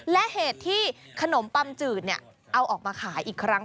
และเหตุที่ขนมปัมจืดเอาออกมาขายอีกครั้ง